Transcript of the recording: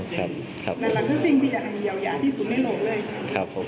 พอดีคนผู้ใหญ่คนตัวออกมาพอ